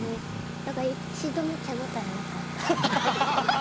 だから一度も手応えなかった。